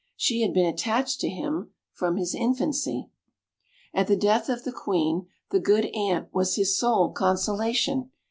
She had been attached to him from his infancy. At the death of the Queen the good Ant was his sole consolation.